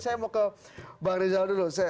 saya mau ke bang rizal dulu